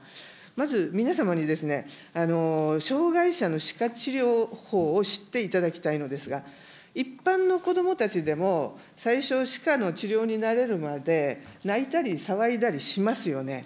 まず皆様にですね、障害者の歯科治療法を知っていただきたいのですが、一般のこどもたちでも最初、歯科の治療に慣れるまで、泣いたり騒いだりしますよね。